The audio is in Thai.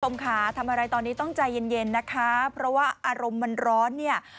ผมขาทำอะไรตอนนี้ต้องใจเย็นนะคะเพราะว่าอารมณ์มันร้อนเนี่ย